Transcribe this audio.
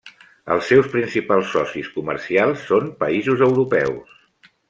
Els seus principals socis comercials són països europeus.